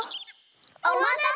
おまたせ！